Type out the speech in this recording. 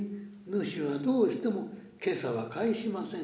主はどうしても今朝は帰しません」。